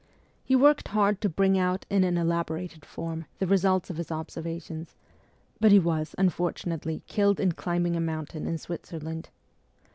He worked hard to bring out in an elaborated form the results of his observations ; but he was, unfortunately, killed in climbing a mountain in Switzerland.